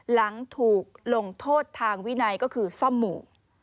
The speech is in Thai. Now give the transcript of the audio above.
หลังถูกลงโทษทางวินัยก็คือซ่อมหมู่